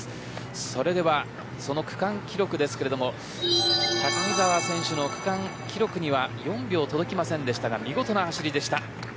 それでは、その区間記録ですが高見澤選手の区間記録には４秒届かなかったものの見事な走りでした。